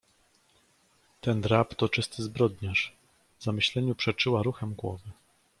"Ten drab to czysty zbrodniarz.“ W zamyśleniu przeczyła ruchem głowy."